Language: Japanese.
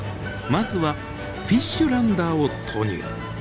まずはフィッシュランダーを投入。